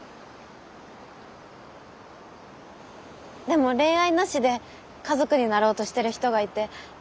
でも恋愛なしで家族になろうとしてる人がいて。